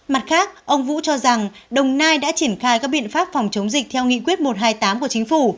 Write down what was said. mặt khác ông vũ cho rằng đồng nai đã triển khai các biện pháp phòng chống dịch theo nghị quyết một trăm hai mươi tám của chính phủ